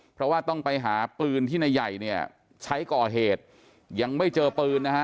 เพราะว่าต้องไปหาปืนที่นายใหญ่เนี่ยใช้ก่อเหตุยังไม่เจอปืนนะฮะ